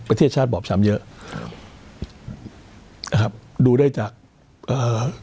ประเทศชาติบอบช้ำเยอะครับนะครับดูได้จากเอ่อ